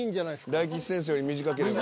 ［大吉先生より短ければ］